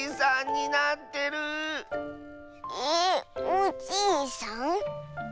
おじいさん？